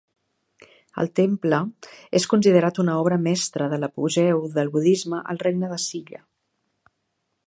El temple és considerat una obra mestra de l'apogeu del budisme al Regne de Silla.